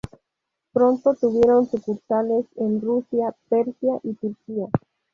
Pronto tuvieron sucursales en Rusia, Persia y Turquía.